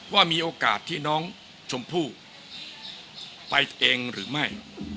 ว่ามีโอกาสที่น้องชมพู่ไปเองหรือไม่